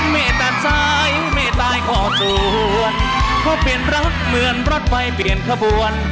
ไม่ตัดสายเมตตายขอส่วนเพราะเปลี่ยนรักเหมือนรถไฟเปลี่ยนขบวน